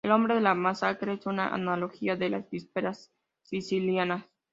El nombre de la masacre es una analogía de las Vísperas sicilianas.